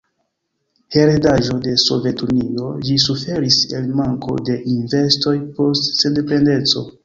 Heredaĵo de Sovetunio, ĝi suferis el manko de investoj post sendependeco.